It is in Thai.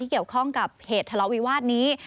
เกี่ยวข้องกับเหตุทะเลาวิวาสนี้